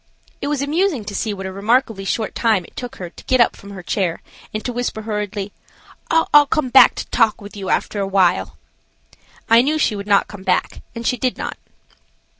It was amusing to see what a remarkably short time it took her to get up from her chair and to whisper hurriedly: "I'll come back to talk with you after a while." I knew she would not come back and she did not.